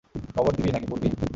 কবর দিবি, নাকি পুড়বি?